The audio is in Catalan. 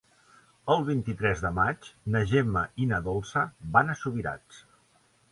El vint-i-tres de maig na Gemma i na Dolça van a Subirats.